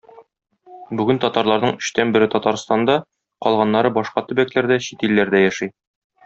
Бүген татарларның өчтән бере - Татарстанда, калганнары - башка төбәкләрдә, чит илләрдә яши.